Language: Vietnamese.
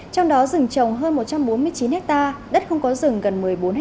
trong đó rừng trồng hơn một trăm bốn mươi chín ha đất không có rừng gần một mươi bốn ha